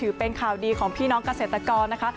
เป็นข่าวดีของพี่น้องเกษตรกรนะคะ